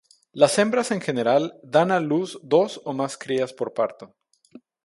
Las hembras en general, dan a luz dos o más crías por parto.